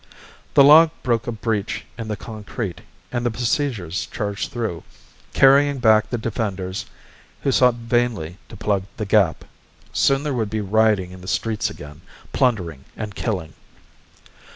The log broke a breach in the concrete and the besiegers charged through, carrying back the defenders who sought vainly to plug the gap. Soon there would be rioting in the streets again, plundering and killing.